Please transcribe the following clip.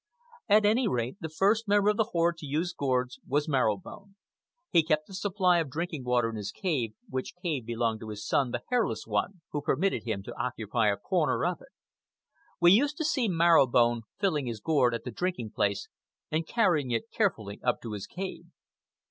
At any rate, the first member of the horde to use gourds was Marrow Bone. He kept a supply of drinking water in his cave, which cave belonged to his son, the Hairless One, who permitted him to occupy a corner of it. We used to see Marrow Bone filling his gourd at the drinking place and carrying it carefully up to his cave.